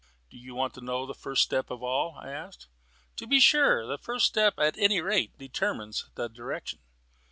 "Do you want to know the first step of all?" I asked. "To be sure; the first step at any rate determines the direction."